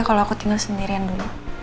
kalau aku tinggal sendirian dulu